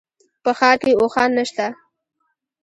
په ښار کي اوښان نشته